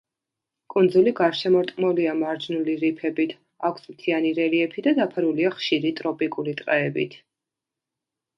კუნძული გარშემორტყმულია მარჯნული რიფებით, აქვს მთიანი რელიეფი და დაფარულია ხშირი ტროპიკული ტყეებით.